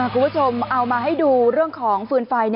คุณผู้ชมเอามาให้ดูเรื่องของฟืนไฟ